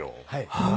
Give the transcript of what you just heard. はい。